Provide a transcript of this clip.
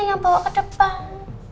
yang membawa ke depan